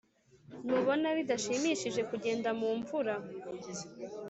ntubona bidashimishije kugenda mumvura?